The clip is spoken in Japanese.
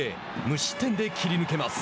無失点で切り抜けます。